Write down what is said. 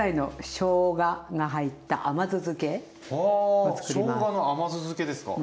しょうがの甘酢漬けですか？